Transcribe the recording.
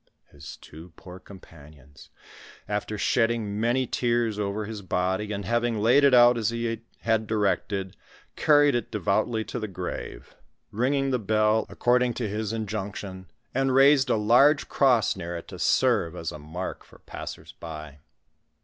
His two poor companions, after shedding many tears over his body, and having laid it out as he had directed, carried it devoutly to the grave, ringing the bell according to his ■m. niSOOVERIBS IN THK MIS8I8SIFPI VALLKT. 61 injnnn^'''Ti, and raised a large croes near it to serve as a mark for passers by.